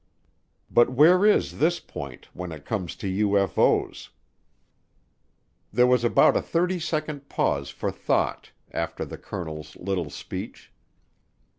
But where is this point when it comes to UFO's? There was about a thirty second pause for thought after the colonel's little speech.